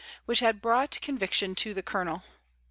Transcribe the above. *' 63 which had brought conviction to the Colonel.